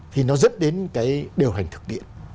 thì nó dẫn đến cái điều hành thực tiễn